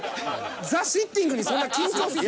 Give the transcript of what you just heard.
「座・シッティング」にそんな緊張しすぎ。